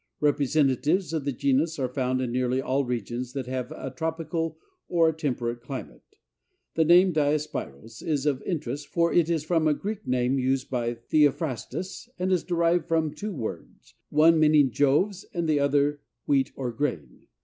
Representatives of the genus are found in nearly all regions that have a tropical or a temperate climate. The name Diospyros is of interest, for it is from a Greek name used by Theophrastus, and is derived from two words, one meaning Jove's and the other wheat or grain.